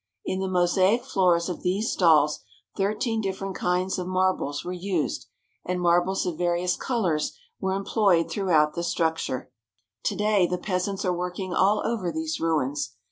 In the mosaic floors of these stalls thirteen different kinds of marbles were used, and marbles of various colours were employed throughout the structure. To day the peasants are working all over these ruins.